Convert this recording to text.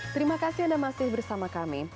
terima kasih anda masih bersama kami